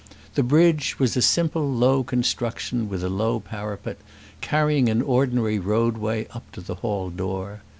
The bridge was a simple low construction with a low parapet, carrying an ordinary roadway up to the hall door.